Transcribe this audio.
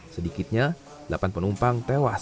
sedikitnya delapan penumpang tewas